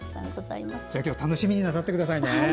じゃあ今日は楽しみになさってくださいね。